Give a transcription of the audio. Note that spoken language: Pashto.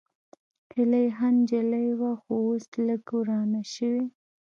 هېلۍ ښه نجلۍ وه، خو اوس لږ ورانه شوې